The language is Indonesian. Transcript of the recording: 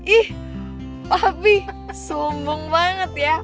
ih wabi sumbung banget ya